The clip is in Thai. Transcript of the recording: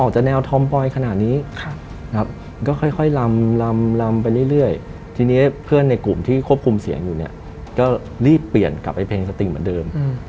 จากแนวทอมบอยอย่างนี้